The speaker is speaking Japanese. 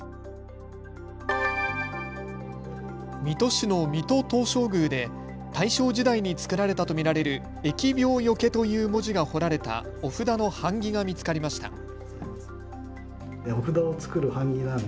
水戸市の水戸東照宮で大正時代に作られたと見られる疫病除という文字が彫られたお札の版木が見つかりました。